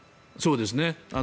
そうですね。